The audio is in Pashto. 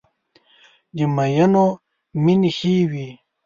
د مینو مینې ښې وې.